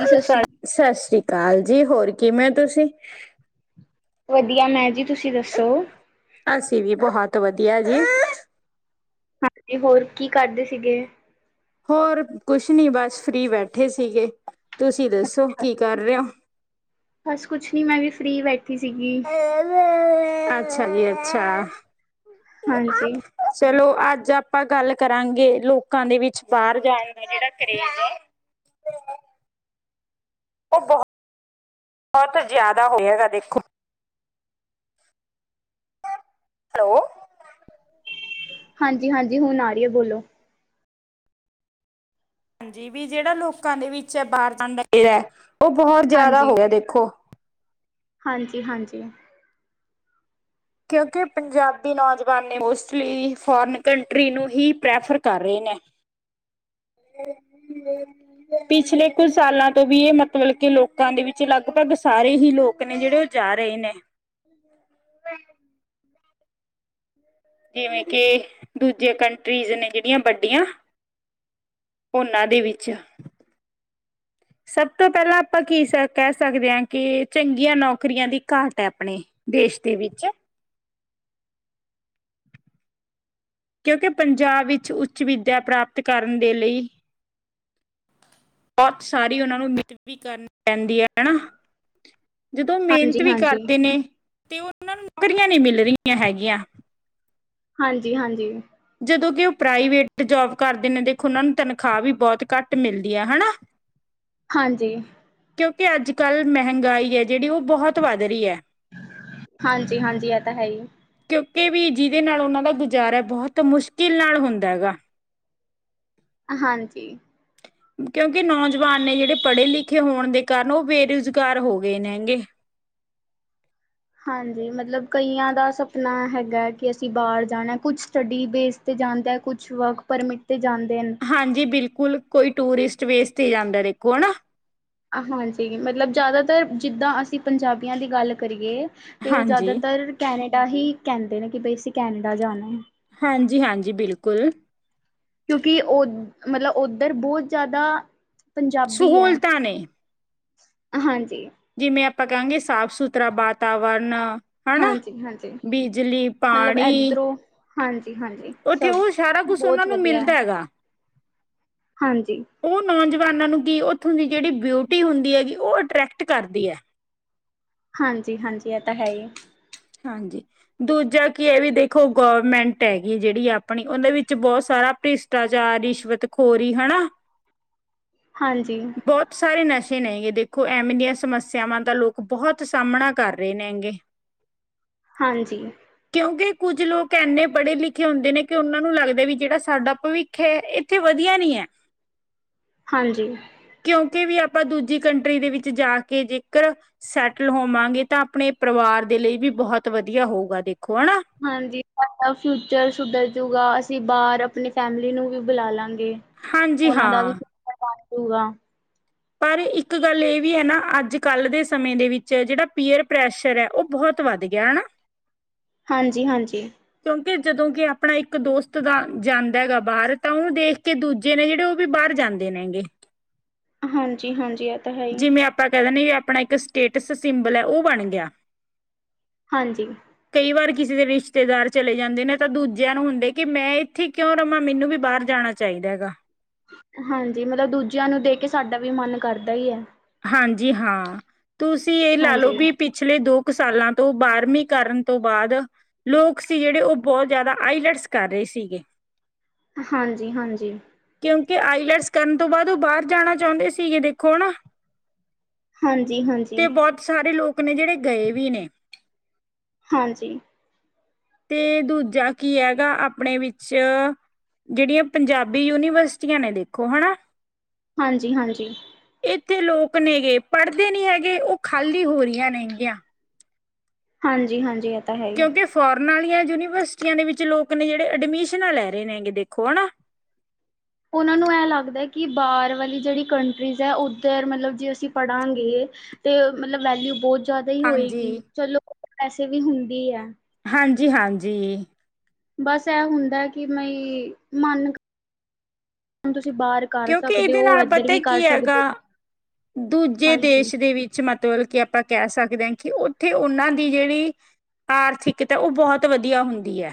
ਜੀ ਸਤਿ ਸ, ਸ਼੍ਰੀ ਸਸ਼੍ਰੀਕਾਲ ਜੀ, ਹੋਰ ਕਿਮੇ ਤੁਸੀ? ਵਧੀਆ ਮੈਂ ਜੀ ਤੁਸੀ ਦਸੋ? ਅਸੀ ਵੀ ਬੋਹਤ ਵਧੀਆ ਜੀ। ਹਾਂਜੀ ਹੋਰ ਕੀ ਕਰਦੇ ਸੀਗੇ? ਹੋਰ ਕੁੱਛ ਨੀ ਬੱਸ ਫ੍ਰੀ ਬੈਠੇ ਸੀਗੇ, ਤੁਸੀਂ ਦਸੋ ਕੀ ਕੱਰ ਰੇ ਓ? ਹਸ ਕੁੱਛ ਨੀ ਮੈਂ ਵੀ ਫ੍ਰੀ ਵੈ ਥੀ ਸੀਗੀ। ਆਛਾ ਨੀ ਅੱਛਾ। ਹਾਂਜੀ! ਚਲੋ ਅੱਜ ਆਪਾਂ ਗੱਲ ਕਰਾਂਗੇ। ਲੋਕਾਂ ਦੇ ਵਿੱਚ ਬਾਰ ਜਾਣ ਦਾ ਜੇੜਾ ਕਰੇਜ਼ ਐ। ਹ [inaudible] ਓ ਬੋਹਤ ਬੋਤ ਜਾਦਾ ਹੋਗਯਾ ਦਾ ਦੇਖੋ। ਹੈਲੋ! ਹਾਂਜੀ-ਹਾਂਜੀ ਹੁਣ ਆ ਰੀ ਐ ਬੋਲੋ। ਹਾਂਜੀ ਵੀ ਜੇੜਾ ਲੋਕਾ ਦੇ ਵਿੱਚ ਬਾਰ ਦਾ ਕੀੜਾ ਐ ਓ ਬੋਹਤ ਜਾਦਾ ਹੋਗਯਾ ਦੇਖੋ। ਹਾਂਜੀ-ਹਾਂਜੀ। ਕਿਉਂਕਿ ਪੰਜਾਬੀ ਨੌਜਵਾਨ ਨੇ ਮੋਸਟਲੀ ਫੋਰਨ ਕੰਟਰੀ ਨੂੰ ਹੀ ਪ੍ਰੈਫਰ ਕਰ ਰੇ ਨੇ। ਬ [inaudible] ਪਿਛਲੇ ਕੁੱਝ ਸਾਲਾਂ ਤੋਂ ਵੀ ਏ ਮਤਬਲ ਕੇ ਲੋਕਾਂ ਦੇ ਵਿੱਚ ਲਗਭਗ ਸਾਰੇ ਈ ਲੋਕ ਨੇ ਜੇੜੇ ਜਾ ਰਏ ਨੇ। [inaudible] [inaudible] ਜਿਵੇਂ ਕਿ ਦੂਜੇ ਕੰਟਰੀਜ਼ ਨੇ ਜਿਹੜੀਆਂ ਵੱਡੀਆਂ ਉਹਨਾਂ ਦੇ ਵਿੱਚ ਸਭ ਤੋਂ ਪਹਿਲਾਂ ਆਪਾਂ ਕੀ ਸ ਕਹਿ ਸਕਦੇ ਹਾਂ, ਕਿ ਚੰਗੀਆਂ ਨੌਕਰੀਆਂ ਦੀ ਘਾਟ ਹੈ ਆਪਣੇ। ਦੇਸ਼ ਦੇ ਵਿੱਚ। ਕਿਉਂਕਿ ਪੰਜਾਬ ਵਿੱਚ ਉੱਚ ਵਿੱਦਿਆ ਪ੍ਰਾਪਤ ਕਰਨ ਦੇ ਲਈ ਬਹੁਤ ਸਾਰੀ ਉਹਨਾਂ ਨੂੰ ਮਿਹਨਤ ਵੀ ਕਰਨ ਪੈਂਦੀ ਹੈ ਹਨਾ। ਜਦੋਂ ਉਹ ਮਿਹਨਤ ਹਾਂਜੀ ਹਾਂਜੀ ਵੀ ਹਾਂਜੀ ਕਰਦੇ ਨੇ, ਤੇ ਉਹ ਉਹਨਾਂ ਨੂੰ ਨੌਕਰੀਆਂ ਨਹੀਂ ਮਿਲ ਰਹੀਆਂ ਹੈਗੀਆਂ। ਹਾਂਜੀ- ਹਾਂਜੀ। ਜਦੋਂ ਕਿ ਉਹ ਪ੍ਰਾਈਵੇਟ ਜੋਬ ਕਰਦੇ ਨੇ, ਦੇਖੋ ਉਹ ਨੂੰ ਤਨਖਾਹ ਵੀ ਬਹੁਤ ਘੱਟ ਮਿਲਦੀ ਹੈ ਹਨਾ। ਹਾਂਜੀ। ਕਿਉਂਕਿ ਅੱਜ ਕੱਲ੍ਹ ਮਹਿੰਗਾਈ ਹੈ ਜਿਹੜੀ ਉਹ ਬਹੁਤ ਵੱਧ ਰਹੀ ਹੈ। ਹਾਂਜੀ, ਹਾਂਜੀ ਇਹ ਤਾਂ ਹੈ ਹੀ। ਕਿਉਂਕਿ ਵੀ ਜਿਹਦੇ ਨਾਲ ਉਹਨਾਂ ਦਾ ਗੁਜ਼ਾਰਾ ਬਹੁਤ ਮੁਸ਼ਕਿਲ ਨਾਲ ਹੁੰਦਾ ਹੈਗਾ। ਹਾਂਜੀ। ਕਿਉਂਕਿ ਨੌਜਵਾਨ ਨੇ ਜਿਹੜੇ ਪੜ੍ਹੇ ਲਿਖੇ ਹੋਣ ਦੇ ਕਾਰਨ ਉਹ ਬੇਰੁਜ਼ਗਾਰ ਹੋ ਗਏ ਨੇ ਹੈਗੇ। ਹਾਂਜੀ ਮਤਲਬ ਕਈਆਂ ਦਾ ਸਪਨਾ ਹੈਗਾ, ਕਿ ਅਸੀਂ ਬਾਹਰ ਜਾਣਾ ਕੁਛ ਸਟੱਡੀ ਬੇਸ ਤੇ ਜਾਂਦਾ, ਕੁਛ ਵਰਕ ਪਰਮਿਟ ਤੇ ਜਾਂਦੇ ਨੇ। ਹਾਂਜੀ ਬਿਲਕੁਲ ਕੋਈ ਟੂਰਿਸਟ ਵੇਸ ਜਾਂਦਾਖੋ ਹੈ ਨਾ। ਹਾਂਜੀ ਮਤਲਬ ਜ਼ਿਆਦਾਤਰ ਜਿੱਦਾਂ ਅਸੀਂ ਪੰਜਾਬੀਆਂ ਦੀ ਗੱਲ ਕਰੀਏ ਤੇ ਉਹ ਹਾਂਜੀ। ਜ਼ਿਆਦਾਤਰ ਕੈਨੇਡਾ ਹੀ ਕਹਿੰਦੇ ਨੇ, ਕਿ ਬਈ ਅਸੀਂ ਕੈਨੇਡਾ ਜਾਣਾ ਹੈ। ਹਾਂਜੀ-ਹਾਂਜੀ ਬਿਲਕੁਲ। ਕਿਉਂਕਿ ਉ ਮਤਲਬ ਉੱਧਰ ਬਹੁਤ ਜ਼ਿਆਦਾ ਪੰਜਾਬੀ ਹੈ। ਸਹੂਲਤਾਂ ਨੇ ਹਾਂਜੀ। ਜਿਵੇਂ ਆਪਾਂ ਕਹਾਂਗੇ ਸਾਫ਼ ਸੁਥਰਾ ਵਾਤਾਵਰਨ ਹਨਾ ਹਾਂਜੀ, ਹਾਂਜੀ ਬਿਜਲੀ, ਪਾਣੀ ਹਾਂਜੀ-ਹਾਂਜੀ ਉੱਥੇ ਸਭ ਉਹ ਸਾਰਾ ਕੁਛ ਉਹਨਾਂ ਬਹੁਤ ਨੂੰ ਵਧੀਆ ਮਿਲਦਾ ਹੈ। ਹੈਗਾ ਹਾਂਜੀ। ਉਹ ਨੌਜਵਾਨਾਂ ਨੂੰ ਕੀ ਉੱਥੋਂ ਦੀ ਜਿਹੜੀ ਬਿਊਟੀ ਹੁੰਦੀ ਹੈਗੀ, ਉਹ ਅਟਰ੍ਰੈਕਟ ਕਰਦੀ ਹੈ। ਹਾਂਜੀ-ਹਾਂਜੀ ਇਹ ਤਾਂ ਹੈ ਹੀ। ਹਾਂਜੀ। ਦੂਜਾ ਕੀ ਐ ਵੀ ਦੇਖੋ ਗਵਰਮੈਂਟ ਹੈਗੀ ਜਿੜੀ ਆਪਣੀ ਉਦੇ ਵਿੱਚ ਬੋਤ ਸਾਰਾ ਪਿਸ ਭ੍ਰਿਸ਼ਟਾਚਾਰ, ਰਿਸ਼ਵਤ ਖੋਰੀ ਹੈਨਾ। ਹਾਂਜੀ। ਬੋਤ ਸਾਰੇ ਨਸ਼ੇ ਨੇ ਹੈਗੇ ਦੇਖੋ ਐਵੇਂ ਦੀਆਂ ਸਮੱਸਿਆਵਾਂ ਦਾ ਲੋਕ ਬੋਹਤ ਸਾਹਮਣਾ ਕਰ ਰਹੇ ਨੇ ਹੈਗੇ। ਹਾਂਜੀ। ਕਿਉਂਕਿ ਕੁੱਝ ਲੋਕ ਏਨੇ ਪੜ੍ਹੇ ਲਿਖੇ ਹੁੰਦੇ ਨੇ ਕਿ ਓਨਾਂ ਨੂੰ ਲੱਗਦਾ ਵੀ ਜੇੜਾ ਸਾਡਾ ਪਵਿੱਖ ਏਥੇ ਵਧੀਆ ਨੀ ਏ। ਹਾਂਜੀ। ਕਿਉਂਕਿ ਵੀ ਆਪਾਂ ਦੂਜੀ ਕੰਟਰੀ ਦੇ ਵਿੱਚ ਜਾ ਕੇ ਜੇਕਰ ਸੈਟਲ ਹੋਵਾਂਗੇ ਤਾਂ ਆਪਣੇ ਪਰਿਵਾਰ ਦੇ ਲਈ ਵੀ ਬੋਹਤ ਵਧੀਆ ਹੋਊਗਾ ਦੇਖੋ ਹਨਾ। ਹਾਂਜੀ ਸਾਡਾ ਫਿਊਚਰ ਸੁਧਰ ਜੂਗਾ ਅਸੀਂ ਬਾਰ ਆਪਣੀ ਫੈਮਿਲੀ ਨੂੰ ਵੀ ਬੁਲਾ ਲਾਂਗੇ। ਹਾਂਜੀ ਓਨਾਂ ਦਾ ਹਾਂ ਫਿਊਚਰ ਬਣ ਜੂਗਾ। ਪਰ ਇੱਕ ਗੱਲ ਏਹ ਵੀ ਐ ਨਾ ਅੱਜ-ਕੱਲ ਦੇ ਸਮੇਂ ਦੇ ਵਿੱਚ ਜਿੜਾ ਪੀਅਰ ਪ੍ਰੈਸ਼ਰ ਐ ਓ ਬੋਤ ਤ ਵੱਧ ਗਿਆ ਹਨਾ। ਹਾਂਜੀ-ਹਾਂਜੀ। ਕਿਉਂਕਿ ਜਦੋਂ ਕਿ ਆਪਣਾ ਇੱਕ ਦੋਸਤ ਦਾ ਜਾਂਦਾ ਹੈਗਾ ਬਾਰ ਤਾਂ ਉਨੂੰ ਦੇਖ ਕੇ ਤੇ ਦੂਜੇ ਨੇ ਜੇੜੇ ਓਵੀ ਬਾਰ ਜਾਂਦੇ ਨੇਗੇ। ਹਾਂਜੀ-ਹਾਂਜੀ ਅ ਜਿਵੇਂ ਆਪਾਂ ਕੈ ਦਿੰਦੇ ਵੀ ਆਪਣਾ ਇੱਕ ਸਟੇਟਸ ਸਿੰਬਲ ਏ ਓ ਬਣ ਗਿਆ। ਹਾਂਜੀ। ਕਈ ਵਾਰ ਕਿਸੇ ਦੇ ਰਿਸ਼ਤੇਦਾਰ ਚਲੇ ਜਾਂਦੇ ਨੇ ਤਾਂ ਦੂਜਿਆਂ ਨੂੰ ਹੁੰਦੇ ਕਿ ਮੈਂ ਏਥੇ ਕਿਉਂ ਰਵਾਂ ਮੈਨੂੰ ਵੀ ਬਾਰ ਜਾਣਾ ਚਾਈਦਾ ਹੈਗਾ। ਹਾਂਜੀ ਮਤਲਬ ਦੂਜਿਆਂ ਨੂੰ ਦੇਖ਼ ਕੇ ਸਾਡਾ ਵੀ ਮਨ ਕਰਦਾ ਈ ਐ। ਹਾਂਜੀ ਹਾਂ, ਤੁਸੀਂ ਏ ਲਾ ਲੋ ਹਾਂਜੀ, ਵੀ ਪਿਛਲੇ ਦੋ ਕੁ ਸਾਲਾਂ ਤੋਂ ਬਾਰਵੀਂ ਕਰਨ ਤੋਂ ਬਾਦ ਲੋਕ ਸੀ ਜਿੜੇ ਓਹ ਬੋਤ ਜਾਦਾ ਆਈਲੈਟਸ ਕਰ ਰਹੇ ਸੀਗੇ। ਹਾਂਜੀ-ਹਾਂਜੀ। ਕਿਉਂਕਿ ਆਈਲੈਟਸ ਕਰਨ ਤੋਂ ਬਾਦ ਓ ਬਾਰ ਜਾਣਾ ਚਾਹੁੰਦੇ ਸੀਗੇ ਦੇਖੋ, ਹਨਾਂ। ਹਾਂਜੀ-ਹਾਂਜੀ। ਤੇ ਬੋਤ ਸਾਰੇ ਲੋਕ ਨੇ ਜਿੜੇ ਗਏ ਵੀ ਨੇ। ਹਾਂਜੀ। ਤੇ ਦੂਜਾ ਕੀ ਐਗਾ ਆਪਣੇ ਵਿੱਚ ਜੇੜੀਆਂ ਪੰਜਾਬੀ ਯੂਨੀਵਰਸਿਟੀਆਂ ਨੇ ਦੇਖੋ ਹਨਾਂ। ਹਾਂਜੀ-ਹਾਂਜੀ। ਏਥੇ ਲੋਕ ਨੇਗੇ, ਪੜ੍ਹਦੇ ਨੀ ਹੈਗੇ, ਓ ਖਾਲੀ ਹੋ ਰਹੀਆਂ ਨੇਂਗੀਆਂ। ਹਾਂਜੀ-ਹਾਂਜੀ। ਤਾਂ ਹੈ ਹੀ। ਕਿਉਂਕਿ ਫੋਰਨ ਵਾਲੀਆਂ ਯੂਨੀਵਰਸਿਟੀਆਂ ਦੇ ਵਿੱਚ ਲੋਕ ਨੇਂ ਜੇੜੇ ਅਡਮਿਸ਼ਨਾਂ ਲੈ ਰਹੇ ਨੇਂ ਹੈਗੇ ਦੇਖੋ ਹਨਾਂ। ਉਨਾਂ ਨੂੰ ਐ ਲੱਗਦਾ ਕਿ ਬਾਰ ਵਾਲੀ ਜੇੜੀ ਕੰਟਰੀਜ਼ਸ ਐ ਉੱਧਰ ਮਤਲਬ ਜੇ ਅਸੀਂ ਪੜ੍ਹਾਂਗੇ ਤੇ ਮਤਲਬ ਵੈਲਿਊ ਬੋਤ ਜ਼ਿਆਦਾ ਈ ਹਾਂਜੀ ਹੋਏਗੀ, ਚਲੋ ਵੈਸੇ ਵੀ ਹੁੰਦੀ ਐ। ਹਾਂਜੀ-ਹਾਂਜੀ। ਬਸ ਐ ਹੁੰਦਾ ਕਿ ਮਈ, ਮਨ, ਤੁਸੀਂ ਬਾਰ ਕਿਉਂਕਿ ਏਦੇ ਨਾਲ ਪਤਾ ਕੀ ਹੈਗਾ, ਹੋ। ਦੂਜੇ ਹਾਂਜੀ, ਦੇਸ ਦੇ ਵਿੱਚ ਵਿੱਚ ਮਤਲਬ ਕਿ ਆਪਾਂ ਕੈ ਸਕਦੇ ਆਂ ਕਿ ਓਥੇ ਓਨਾਂ ਦੀ ਜੇੜੀ ਆਰਥਿਕਤਾ ਓ ਬੋਤ ਵਧੀਆ ਹੁੰਦੀ ਐ।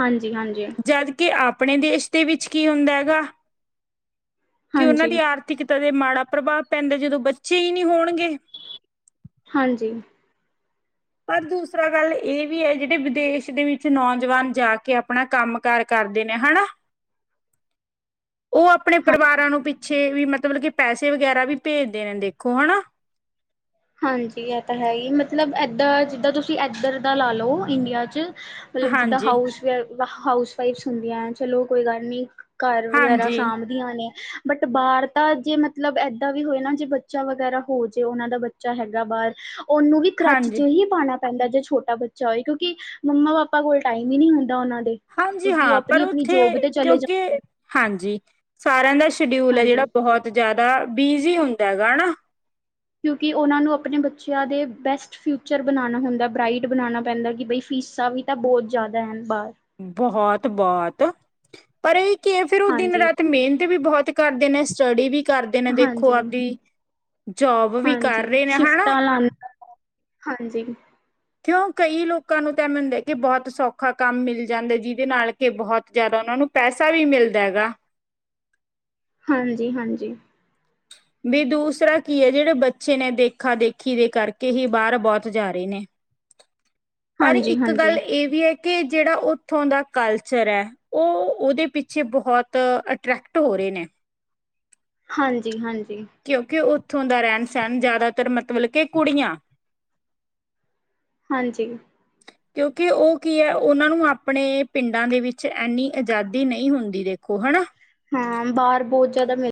ਹਾਂਜੀ-ਹਾਂਜੀ। ਜਦ ਕਿ ਆਪਣੇ ਦੇਸ਼ ਦੇ ਵਿੱਚ ਕੀ ਹੁੰਦਾ ਹੈਗਾ, ਕਿ ਓਨਾਂ ਦੀ ਹਾਂਜੀ, ਆਰ ਥਿਕਤਾ ਦੇ ਮਾੜਾ ਪ੍ਰਭਾਵ ਪੈਂਦਾ ਜਦੋਂ ਬੱਚੇ ਈ ਨੀ ਹੋਣਗੇ ਹਾਂਜੀ। ਪਰ ਦੂਸਰਾ ਗੱਲ ਏ ਵੀ ਏ ਜੇੜੇ ਵਿਦੇਸ਼ ਦੇ ਵਿੱਚ ਨੌਜਵਾਨ ਜਾ ਕੇ ਅਪਣਾ ਕੰਮ ਘਾਰ ਕਾਰਦੇ ਨੇਂ ਹਣਾਂ। ਓ ਅਪਣੇ ਪਰਵਾਰਾਂ ਨੂੰ ਪਿੱਛੇ, ਵੀ ਮਤਲਬ ਕਿ ਪੈਸੇ ਵਗੈਰਾ ਵੀ ਭੇਜਦੇ ਨੇਂ ਦੇਖੋ ਹਣਾਂ। ਹਾਂਜੀ ਐ ਤਾਂ ਹੈ ਈ ਮਤਲਬ ਏਦਾਂ, ਜਿੱਦਾ ਤੁਸੀ ਐਦਰ ਦਾ ਲਾ ਲੋ ਇੰਡੀਆ 'ਚ ਮਤਲਬ ਜਿੱਦਾਂ ਹਾਂਜੀ ਹਾਊਸ ਵੇ ਹਾਊਸ ਵਾਈਫਸ ਹੁੰਦੀਐ ਚਲੋ ਕੋਈ ਗੱਲ ਨੀਂ, ਘਾਰ ਵਗੈਰਾ ਹਾਂਜੀ ਸਾਂਭ ਦੀਆਂ ਨੇਂ, ਬੱਟ ਬਾਰ ਤਾਂ ਜੇ ਮਤਲਬ ਐਦਾਂ ਵੀ ਹੋਏ ਨਾਂ ਜੇ ਬੱਚਾ ਵਗੈਰਾ ਹੋ ਜੇ ਓਨਾਂ ਦਾ ਬੱ ਚਾ ਹੈਗਾ ਬਾਰ, ਓਨੂੰ ਵੀ ਕਰਾਚੀ 'ਚ ਹਾਂਜੀ ਹੀ ਪਾਨਾ ਪੈਂਦਾ ਜੋ ਛੋਟਾ ਬੱਚਾ ਹੋਏ ਕਿਉਂਕਿ, ਮੰਮਾ-ਪਾਪਾ ਕੋਲ ਟਾਈਮ ਈ ਨੀਂ ਹੁੰਦਾ ਓਨਾਂ ਦੇ। ਹਾਂਜੀ ਕਿਉਂਕਿ ਉਹ ਹਾਂ ਪਰ ਆਪਣੀ ਆਪਣੀ ਓਥੇ, ਜੋਬ ਤੇ ਚਲੇ ਕੇਓਂਕੇ ਜਾਂਦੇ ਨੇ ਹਾਂਜੀ, ਸਾਰੇਆਂ ਦਾ ਸ਼ਡਿਊਲ ਐ ਹਾਂਜੀ ਜੇੜਾ ਬਹੋਤ ਜਾਦਾ, ਬਿਜੀ਼ ਹੁੰਦਾ ਹੈਗਾ ਹੈਣਾ। ਕਿਉਂਕਿ ਓਨਾਂ ਨੂੰ ਅਪਨੇ ਬੱਚੇਆਂ ਦੇ ਬੈਸਟ ਫਿਊਚਰ ਬਨਾਨਾ ਹੁੰਦੈ, ਬ੍ਰਾਈਟ ਬਨਾਨਾ ਪੈਂਦੈ ਕਿ ਬਈ ਫੀਸਾਂ ਵੀ ਤਾਂ ਬੋਤ ਜਾਦਾ ਹੈਨ ਬਾਰ। ਬਹੋਤ-ਬੋਤ, ਪਰ ਏ ਕੀ ਐ ਫਿਰ ਓ ਹਾਂਜੀ ਦਿਨ-ਰਾਤ ਮੇਨਤ ਵੀ ਬਹੋਤ ਕਰਦੇ ਨੇਂ, ਸਟੱਡੀ ਵੀ ਕਰਦੇ ਨੇਂ ਦੇਖੋ ਹਾਂਜੀ ਆਪਦੀ, ਜੋਬ ਵੀ ਕਾਰ ਹਾਂਜੀ ਰੇ ਨੇਂ ਹਣਾਂ। ਸ਼ਿਫਟਾਂ ਲਾਉਣ ਹਾਂਜੀ। ਕੇਓਂ ਕਈ ਲੋਕਾਂ ਨੂੰ ਤਾਂ ਐਮੇਂ ਹੁੰਦੈ ਕੇ ਬੋਤ ਸੌਖਾ ਕੰਮ ਮਿਲ ਜਾਂਦੈ ਜਿਦੇ ਨਾਲ਼ ਕੇ ਬਹੋਤ ਜਾਦਾ ਓਨਾ ਨੂੰ ਪੈਸਾ ਵੀ ਮਿਲਦਾ ਹੈਗਾ। ਹਾਂਜੀ-ਹਾਂਜੀ। ਬੀ ਦੂਸਰਾ ਕੀ ਏ ਜੇੜੇ ਬੱਚੇ ਨੇਂ ਦੇਖਾ-ਦੇਖੀ ਦੇ ਕਰਕੇ ਹੀ ਬਾਰ ਬੋਤ ਜਾ ਰੇ ਨੇਂ। ਪਰ ਹਾਂਜੀ ਇੱਕ ਗੱਲ ਹਾਂਜੀ ਏ ਵੀ ਐ ਕੇ ਜੇੜਾ ਓਥੋਂ ਦਾ ਕਾਲਚਰ ਐ ਓ ਓਦੇ ਪਿੱਛੇ ਬਹੋਤ, ਅਟ੍ਰੈਕਟ ਹੋ ਰੇ ਨੇ। ਹਾਂਜੀ-ਹਾਂਜੀ। ਕੇਓਂ ਕੇ ਓਥੋਂ ਦਾ ਰੈਨ-ਸੈਨ ਜਾਦਾਤਰ ਮਤਲਬ ਕੇ ਕੁੜੀਆਂ ਹਾਂਜੀ। ਕੇਓਂ ਕਿ ਓ ਕੀ ਐ ਓਨਾਂ ਨੂੰ ਆਪਣੇ, ਪਿੰਡਾਂ ਦੇ ਵਿੱਚ ਐੰਨੀ ਅਜਾਦੀ ਨੲਈ ਹੁੰਦੀ ਦੇਖੋ ਹਣਾ। ਹਾਂ, ਬਾਰ ਬੋਤ ਜਾਦਾ ਮੈ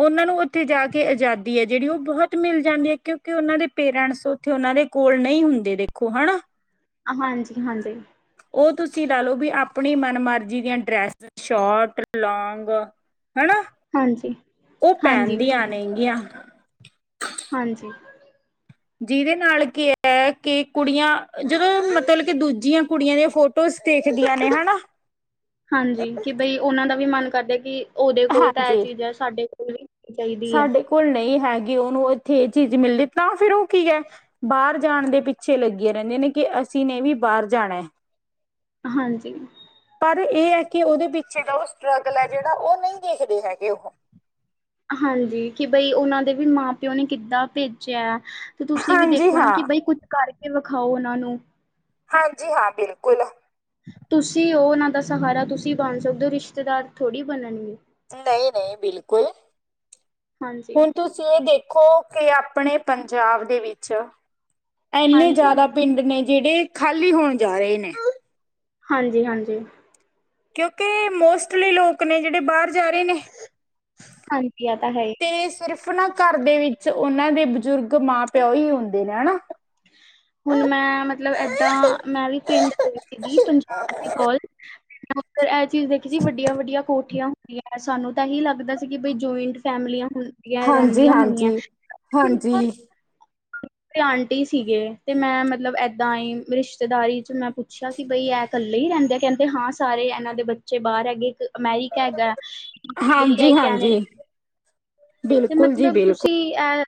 ਓਨਾਂ ਨੂੰ ਓਥੇ ਜਾ ਕੇ ਅਜਾਦੀ ਐ ਜੇੜੀ ਓ ਬੋਹਤ ਮਿਲ ਜਾਂਦੀ ਐ ਕੇਓਂ ਕੇ ਓਨਾਂ ਦੇ ਪੇਰੇਂੜਸ ਓਥੇ ਓਨਾਂ ਦੇ ਕੋਲ ਨਈ ਹੁੰਦੇ ਦੇਖੋ ਹਣਾ। ਹਾਂਜੀ-ਹਾਂਜੀ। ਓ ਤੁਸੀ ਲਾ ਲੋ ਬੀ ਆਪਣੀ ਮਨ ਮਰਜੀ ਦੀਆ ਡ੍ਰੈਸ, ਸ਼ੋਟ, ਲੌਂਗ ਹਣਾ, ਹਾਂਜੀ ਓ ਹਾਂਜੀ ਪੈਨਦੀਆ ਨੇਂਗੀਆਂ। ਹਾਂਜੀ। ਜਿਦੇ ਨਾਲ਼ ਕੀ ਐ ਕੇ ਕੁੜੀਆਂ, ਜਦੋ ਮਤਲ ਕੇ ਦੂਜੀਆ ਕੁੜੀਆਂ ਦੀਆਂ ਫੋਟੋ ਟੋਸ ਦੇਖਦੀਆਂ ਨੇ ਹਣਾ ਹਾਂਜੀ, ਕਿ ਬਈ ਓਨਾਂ ਦਾ ਵੀ ਮਨ ਕਰਦੇ ਕਿ ਓਦੇ ਕੋਲ ਤਾਂ ਐ ਹਾਂਜੀ ਚੀਜ਼ ਐ ਸਾਡੇ ਕੋਲ ਵੀ ਚਾਹੀਦੀ ਹੈ ਸਾਡੇ ਕੋਲ ਨਈ ਹੈਗੀ, ਓਨੂੰ ਏਥੇ ਏ ਚੀਜ ਮਿਲਦੀ ਤਾਂ ਫਿਰ ਓ ਕੀ ਐ ਬਾਰ ਜਾਣ ਦੇ ਪਿੱਛੇ ਲੱਗੀਆਂ ਰੈਂਦੀਆਂ ਨੇ ਕਿ ਅਸੀਂ ਨੇ ਵੀ ਬਾਰ ਜਾਣਾ ਏ। ਹਾਂਜੀ। ਪਰ ਏ ਐ ਕਿ ਓਦੇ ਪਿੱਛੇ ਦਾ ਓ ਸਟਰ੍ਰਗਲ ਐ ਜੇੜਾ ਓ ਨਈ ਦੇਖਦੇ ਹੈਗੇ ਓਹ। ਹਾਂਜੀ, ਕਿ ਬਈ ਓਨਾਂ ਦੇ ਵੀ ਮਾਂ-ਪੇਓ ਨੇ ਕਿੱਦਾਂ ਪੇਜੇਆ। ਤੇ ਤੁਸੀ ਵੀ ਹਾਂਜੀ ਦੇਖੋ ਨਾ ਹਾਂ। ਕਿ ਬਈ ਕੁੱਝ ਕਰਕੇ ਵਿਖਾਓ ਓਨਾਂ ਨੂੰ ਹਾਂਜੀ, ਹਾ ਬਿਲਕੁਲ। ਤੁਸੀ ਓ ਓਨਾਂ ਦਾ ਸਹਾਰਾ ਤੁਸੀ ਬਣ ਸਕਦੇ ਓ ਰਿਸ਼ਤੇਦਾਰ ਥੋੜੀ ਬਣਨਗੇ। ਨਈ, ਨਈ, ਬਿਲਕੁਲ ਹਾਂਜੀ ਹੁਣ ਤੁ ਚ ਏ ਦੇਖੋ ਕਿ ਅਪਣੇ ਪੰਜਾਬ ਦੇ ਵਿੱਚ ਏਨੇ ਹਾਂਜੀ ਜਾਦਾ ਪਿੰਡ ਨੇ ਜੇੜੇ ਖਾਲੀ ਹੋਣ ਜਾ ਰਏ ਨੇ। ਹਾਂਜੀ, ਹਾਂਜੀ। ਕੇਯੋਂਕੇ ਮੋਸਟਲੀ ਲੋਕ ਨੇ ਜੇੜੇ ਬਾਰ ਜਾ ਰਏ ਨੇ। ਹਾਂਜੀ, ਆ ਤਾਂ ਹੈ ਈ। ਤੇ ਸਿਰਫ ਨਾ ਘਰ ਦੇ ਵਿੱਚ ਓਨਾਂ ਦੇ ਬਜ਼ੁਰਗ ਮਾਂ-ਪਿਓ ਈ ਹੁੰਦੇ ਨੇ ਹੈਨਾ। ਹੁਨ ਮੈਂ ਮਤਲਬ, ਏਦਾਂ ਮੈਂ ਵੀ ਪਿੰਡ ਦੇ ਵਿਚ ਈ ਪੰਜਾਬ ਦੇ ਕੋਲ [unintelligible] ਚੀਜ ਦੇਖੀ ਜੀ, ਵੱਡੀਆਂ ਵੱਡੀਆਂ ਕੋਠੀਆਂ ਹੁੰਦੀਆਂ ਸਾਨੂੰ ਤਾਂ ਐਹੀ ਲੱਗਦਾ ਸੀ ਕਿ ਬਈ ਜੋਇੰਟ ਫੈਮਲੀਆਂ ਹੁਨ ਹਾਂਜੀ ਰੈਂਦੀਆਂ ਹੋਣੀਐ, ਹਾਂਜੀ ਪਰ ਹਾਂਜੀ ਆਂਟੀ ਸੀਗੇ ਤੇ ਮੈਂ ਮਤਲਬ ਏਦਾਂ ਈ ਰਿਸ਼ਤੇਦਾਰੀ ਚ ਮੈਂ ਪੁੱਛ ਪੁੱਛੇਆ ਕਿ ਬਈ ਐ ਕੱਲੇ ਈ ਰੈਂਦੇ, ਕੈਂਦੇ ਹਾਂ ਸਾਰੇ ਏਨਾਂ ਦੇ ਬੱਚੇ ਬਾਰ ਹੈਗੇ, ਇੱਕ ਅਮੈਰੀਕਾ ਹੈਗਾ ਹਾਂਜੀ ਆਸਟ੍ਰੇਲੀਆ ਹਾਂਜੀ, ਕੈਨੇਡਾ ਤੇ ਬਿਲਕੁਲ ਜੀ ਮਤਲਬ ਬਿਲਕੁਲ। ਤੁਸੀਂ ਇਹ